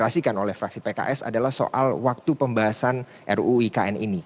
yang disampaikan oleh fraksi pks adalah soal waktu pembahasan ruu ikn ini